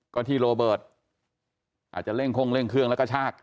ก็ที่โรเบิร์ตอาจจะเร่งคงเร่งเครื่องแล้วก็ชาก